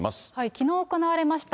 きのう行われました